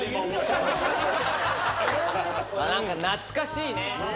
何か懐かしいね。